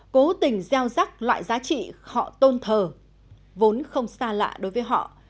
cố tình gieo rắc loại giá trị họ tôn thờ vốn không xa lạ đối với họ